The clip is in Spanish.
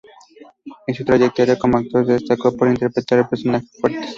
En su trayectoria como actor se destacó por interpretar de personajes fuertes.